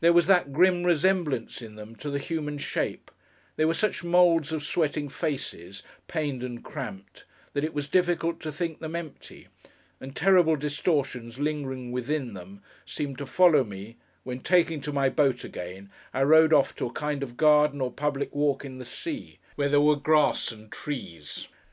There was that grim resemblance in them to the human shape—they were such moulds of sweating faces, pained and cramped—that it was difficult to think them empty; and terrible distortions lingering within them, seemed to follow me, when, taking to my boat again, I rowed off to a kind of garden or public walk in the sea, where there were grass and trees.